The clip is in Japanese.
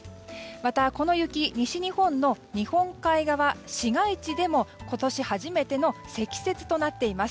また、この雪は西日本の日本海側市街地でも今年初めての積雪となっています。